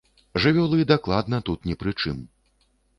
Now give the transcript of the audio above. Жывёлы дакладна тут не пры чым.